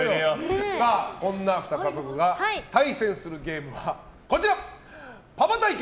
こんな２家族が対戦するゲームはパパ対決！